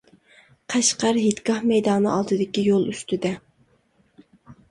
قەشقەر، ھېيتگاھ مەيدانى ئالدىدىكى يول ئۈستىدە.